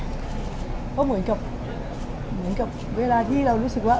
เพราะเหมือนกับเหมือนกับเวลาที่เรารู้สึกว่า